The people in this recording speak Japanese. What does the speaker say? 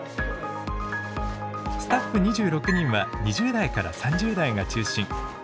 スタッフ２６人は２０代から３０代が中心。